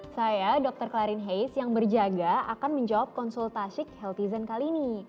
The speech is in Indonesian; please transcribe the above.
saya dr klarin heis yang berjaga akan menjawab konsultasik healthy zen kali ini